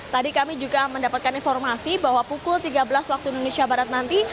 tadi kami juga mendapatkan informasi bahwa pukul tiga belas waktu indonesia barat nanti